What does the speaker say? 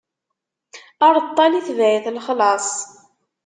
Aṛeṭṭal itbeɛ-it lexlaṣ.